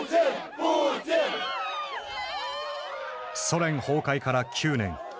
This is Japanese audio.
ソ連崩壊から９年。